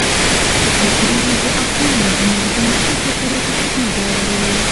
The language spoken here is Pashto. اوږده غرونه د افغان نجونو د پرمختګ لپاره فرصتونه برابروي.